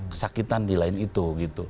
kesakitan di lain itu